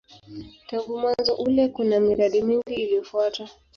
Tangu mwanzo ule kuna miradi mingi iliyofuata.